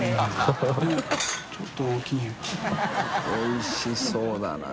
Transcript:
おいしそうだな。